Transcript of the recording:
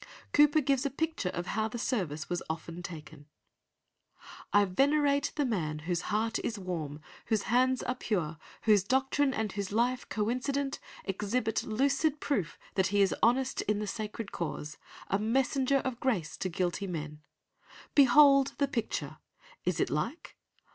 Cowper gives a picture of how the service was often taken— "I venerate the man whose heart is warm; Whose hands are pure, whose doctrine and whose life Coincident, exhibit lucid proof That he is honest in the sacred cause. A messenger of grace to guilty men. Behold the picture! Is it like?